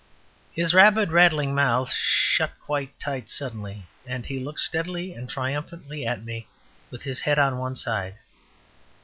His rapid rattling mouth shut quite tight suddenly, and he looked steadily and triumphantly at me, with his head on one side.